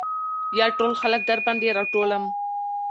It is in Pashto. يا ټول خلک درباندې راټولم .